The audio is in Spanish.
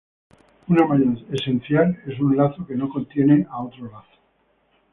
Una malla esencial es un lazo que no contiene a otro lazo.